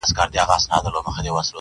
چي څوك تا نه غواړي.